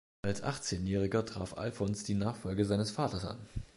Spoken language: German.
Als Achtzehnjähriger trat Alfons die Nachfolge seines Vaters an.